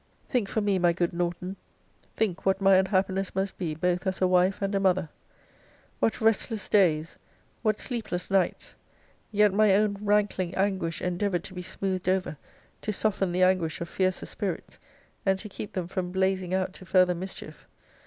Think for me, my good Norton; think what my unhappiness must be both as a wife and a mother. What restless days, what sleepless nights; yet my own rankling anguish endeavoured to be smoothed over, to soften the anguish of fiercer spirits, and to keep them from blazing out to further mischief!